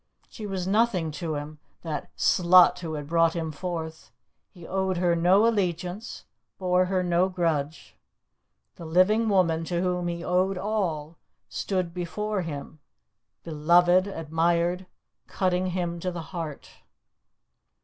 She was nothing to him, that "slut" who had brought him forth; he owed her no allegiance, bore her no grudge. The living woman to whom he owed all stood before him beloved, admired, cutting him to the heart.